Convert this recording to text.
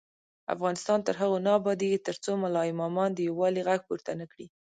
افغانستان تر هغو نه ابادیږي، ترڅو ملا امامان د یووالي غږ پورته نکړي.